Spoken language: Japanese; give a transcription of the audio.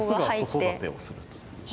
雄が子育てをするという。